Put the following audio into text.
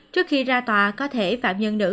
trước khi ra tòa có thể phạm nhân nữ